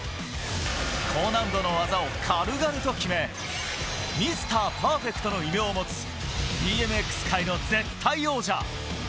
高難度の技を軽々と決め、ミスターパーフェクトの異名を持つ、ＢＭＸ界の絶対王者。